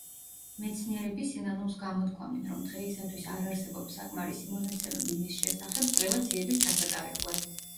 მეცნიერები სინანულს გამოთქვამენ, რომ დღეისათვის არ არსებობს საკმარისი მონაცემები მის შესახებ კვლევა-ძიების ჩასატარებლად.